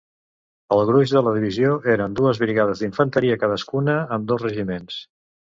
El gruix de la divisió eren dues brigades d'infanteria, cadascuna amb dos regiments.